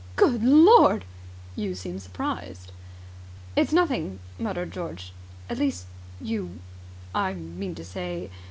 "Good Lord!" "You seem surprised." "It's nothing!" muttered George. "At least, you I mean to say